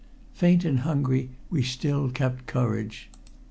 Faint and hungry, yet we still kept courage.